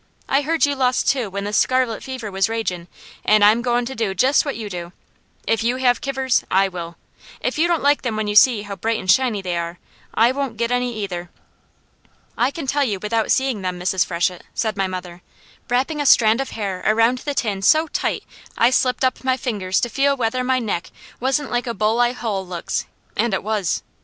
I heard you lost two when the scarlet fever was ragin' an' I'm goin' to do jest what you do. If you have kivers, I will. If you don't like them when you see how bright and shiny they are, I won't get any either." "I can tell you without seeing them, Mrs. Freshett," said my mother, wrapping a strand of hair around the tin so tight I slipped up my fingers to feel whether my neck wasn't like a buck eye hull looks, and it was.